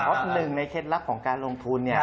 เพราะหนึ่งในเคล็ดลักษณ์ของการลงทุน